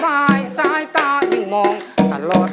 เพื่อจะไปชิงรางวัลเงินล้าน